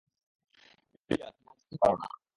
প্রিয়া, তুমি না যেতে পারো না।